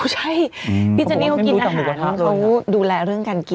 ใช่พี่เจนี่เขากินอาหารเขาดูแลเรื่องการกิน